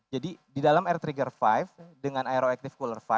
jadi di dalam air trigger lima dengan aero active cooler lima